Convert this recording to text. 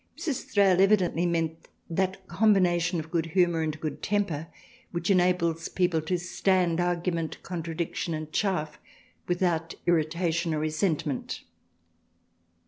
Mrs. Thrale evidently meant that combination of good humour and good temper which enables people to stand argu ment, contradiction and chaff without irritation or resentment.